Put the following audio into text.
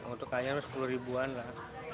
untuk ayam sepuluh ribuan lah